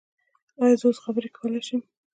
ایا زه اوس خبرې کولی شم؟